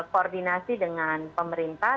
koordinasi dengan pemerintah